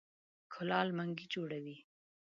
کولال منګی جوړوي.